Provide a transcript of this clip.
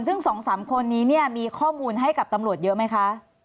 ซึ่ง๒๓คนนี้เนี่ยมีข้อมูลให้กับตำรวจเยอะไหมคะ